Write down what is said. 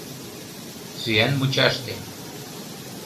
Сӱан мучаште...